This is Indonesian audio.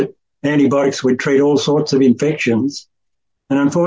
dan menurut saya kita telah menuju ke peringkat berguna